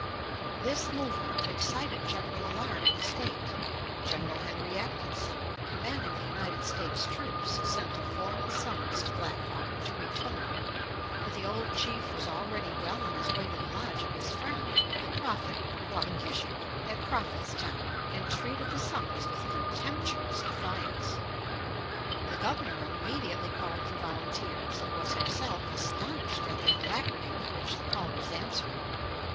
This movement excited general alarm in the State. General Henry Atkinson, commanding the United States troops, sent a formal summons to Black Hawk to return; but the old chief was already well on his way to the lodge of his friend, the prophet Wabokishick, at Prophetstown, and treated the summons with contemptuous defiance. The Governor immediately called for volunteers, and was himself astonished at the alacrity with which the call was answered.